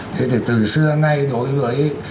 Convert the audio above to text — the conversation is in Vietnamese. thế thì từ xưa ngay đối với